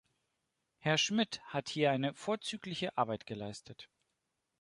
Herr Schmidt hat hier eine vorzügliche Arbeit geleistet.